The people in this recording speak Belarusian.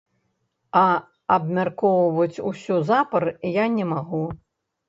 А абмяркоўваць усё запар я не магу.